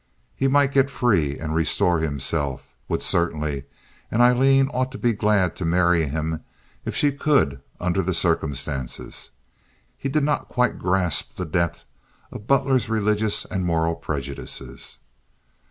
He might get free and restore himself—would certainly—and Aileen ought to be glad to marry him if she could under the circumstances. He did not quite grasp the depth of Butler's religious and moral prejudices.)